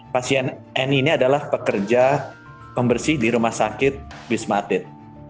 pasien n ini adalah pekerja pembersih di rumah sakit wisma atlet